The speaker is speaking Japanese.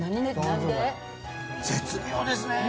絶妙ですね。